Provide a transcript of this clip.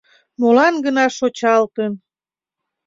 ...Молан гына шочалтын